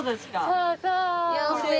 そうそう！